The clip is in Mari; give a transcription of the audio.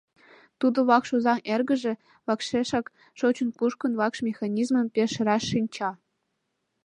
Тудо вакш озан эргыже, вакшешак шочын-кушкын, вакш механизмым пеш раш шинча.